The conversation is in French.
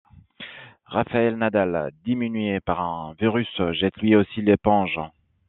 Rafael Nadal, diminué par un virus, jette lui aussi l'éponge.